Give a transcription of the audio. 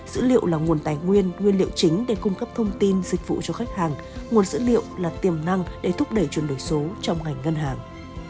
dữ liệu là nguồn tài nguyên nguyên liệu chính để cung cấp thông tin dịch vụ cho khách hàng nguồn dữ liệu là tiềm năng để thúc đẩy chuyển đổi số trong ngành ngân hàng